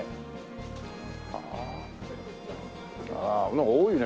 ああなんか多いね。